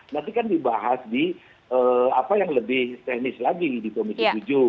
nanti kan dibahas di apa yang lebih teknis lagi di komisi tujuh